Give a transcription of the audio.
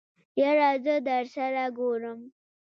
يره زه درسره ګورم.